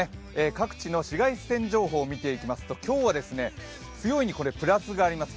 各地の紫外線情報を見ていきますと、今日は強＋があります。